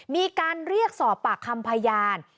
มีการเรียกสอบปากคำพยาน